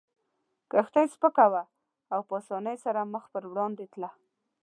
کښتۍ سپکه وه او په اسانۍ سره مخ پر وړاندې تله.